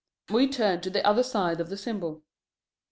We turn to the other side of the symbol.